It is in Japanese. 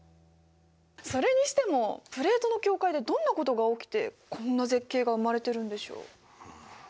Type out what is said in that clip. それにしてもプレートの境界でどんなことが起きてこんな絶景が生まれてるんでしょう？